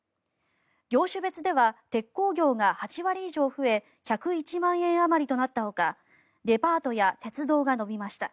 業種別では鉄鋼業が８割以上増え１０１万円あまりとなったほかデパートや鉄道が伸びました。